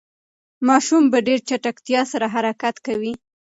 ماشوم په ډېرې چټکتیا سره حرکت کوي.